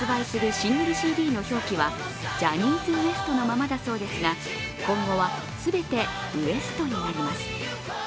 シングルＣＤの表記はジャニーズＷＥＳＴのままだそうですが、今後は全てＷＥＳＴ．になります。